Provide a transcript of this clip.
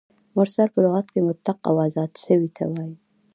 مرسل په لغت کښي مطلق او آزاد سوي ته وايي.